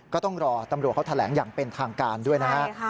ก็ต้องรอตำรวจเขาแถลงอย่างเป็นทางการด้วยนะฮะ